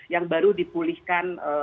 yang baru dipulihkan